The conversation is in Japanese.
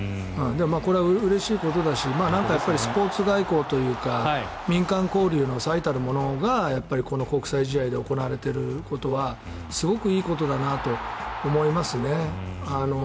これはうれしいことだしスポーツ外交というか民間交流の最たるものがこの国際試合で行われていることはすごくいいことだなと思いますね。